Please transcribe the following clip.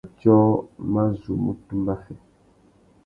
Matiō mà zu mú tumba fê.